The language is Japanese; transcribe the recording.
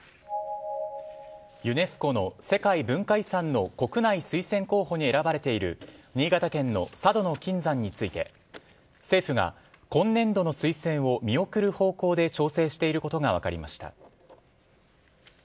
ユネスコの世界文化遺産の国内推薦候補に選ばれている新潟県の佐渡島の金山について政府が今年度の推薦を見送る方向で調整していることが分かりました。